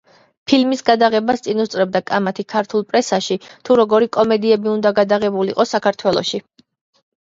ფილმის გადაღებას წინ უსწრებდა კამათი ქართულ პრესაში, თუ როგორი კომედიები უნდა გადაღებულიყო საქართველოში.